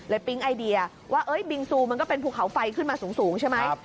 ปิ๊งไอเดียว่าบิงซูมันก็เป็นภูเขาไฟขึ้นมาสูงใช่ไหม